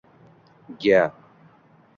…ga